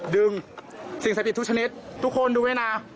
ดึงสิ่งสัตว์อิดทุกชนิดทุกคนดูไว้นะ